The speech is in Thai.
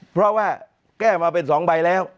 เพราะว่าแก้มาเป็น๒ใบแล้ว